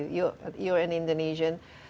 kamu di indonesia